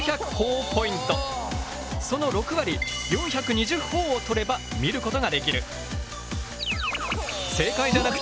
その６割４２０ほぉを取れば見ることができる。